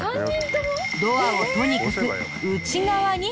ドアをとにかく内側に引っ張る。